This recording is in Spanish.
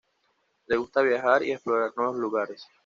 Le gusta viajar y explorar nuevos lugares.